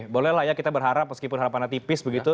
bolehlah ya kita berharap meskipun harapan anda tipis begitu